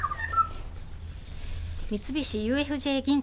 三菱ＵＦＪ銀行